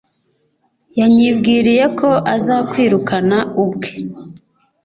Yanyibwiriyeko azakwirukana ubwe